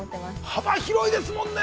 ◆幅広いですもんね。